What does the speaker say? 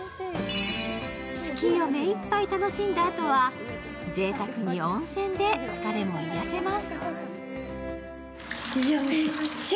スキーを目いっぱい楽しんだあとはぜいたくに温泉で疲れも癒やせます。